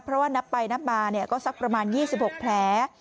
เพราะว่านับไปนับมาก็สักประมาณ๒๖แผล